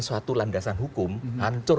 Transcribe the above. suatu landasan hukum hancur